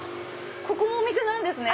ここもお店なんですね。